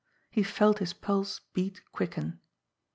He felt his pulse beat quicken.